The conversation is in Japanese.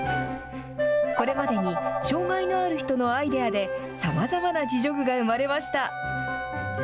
これまでに障害のある人のアイデアで、さまざまな自助具が生まれました。